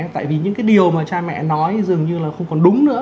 tại vì những cái điều mà cha mẹ nói dường như là không còn đúng nữa